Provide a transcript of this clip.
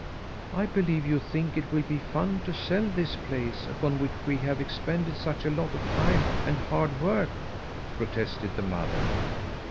"I believe you think it will be fun to sell this place, upon which we have expended such a lot of time and hard work," protested the mother.